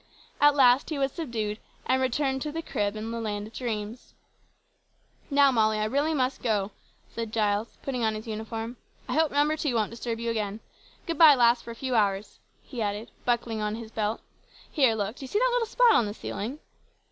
At last he was subdued, and returned to the crib and the land of dreams. "Now, Molly, I must really go," said Giles, putting on his uniform. "I hope Number 2 won't disturb you again. Good bye, lass, for a few hours," he added, buckling his belt. "Here, look, do you see that little spot on the ceiling?"